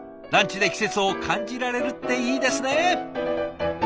ランチで季節を感じられるっていいですね！